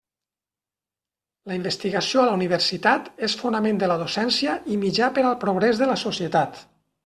La investigació a la Universitat és fonament de la docència i mitjà per al progrés de la societat.